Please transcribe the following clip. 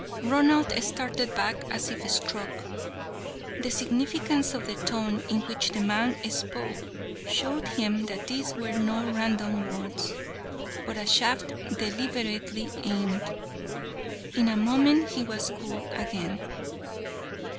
Ronald started back as if struck. The significance of the tone in which the man spoke showed him that these were no random words, but a shaft deliberately aimed. In a moment he was cool again.